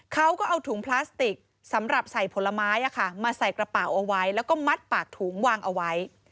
เขาก็เอาถุงพลาสติกสำหรับใส่ผลไม้มาใส่กระเป๋าเอาไว้แล้วก็มัดปากถุงวางเอาไว้